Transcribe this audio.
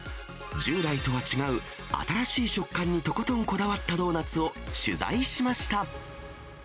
従来とは違う新しい食感にとことんこだわったドーナツを取材しました。